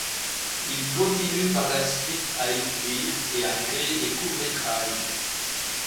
Il continue par la suite à écrire et à créer des courts-métrages.